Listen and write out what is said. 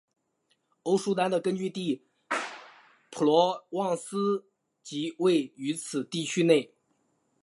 欧舒丹的根据地普罗旺斯即位于此地区内。